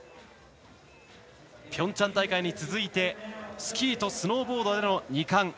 ピョンチャン大会に続いてスキーとスノーボードでの２冠。